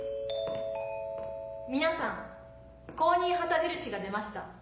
皆さん公認旗印が出ました。